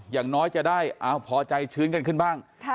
อย่างน้อยจะได้พอใจชื้นกันขึ้นบ้าง